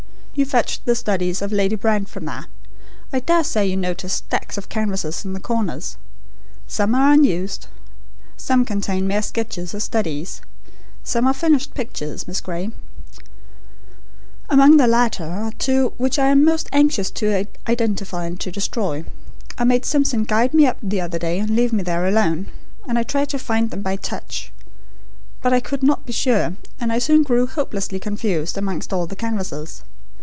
You fetched the studies of Lady Brand from there. I dare say you noticed stacks of canvases in the corners. Some are unused; some contain mere sketches or studies; some are finished pictures. Miss Gray, among the latter are two which I am most anxious to identify and to destroy. I made Simpson guide me up the other day and leave me there alone. And I tried to find them by touch; but I could not be sure, and I soon grew hopelessly confused amongst all the canvases.